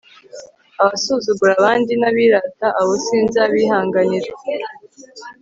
abasuzugura abandi n'abirata, abo sinzabihanganira